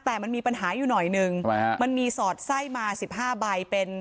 แต่มันมีปัญหาอยู่หน่อยนึงมันมีสอดไส้มา๑๕ใบเป็น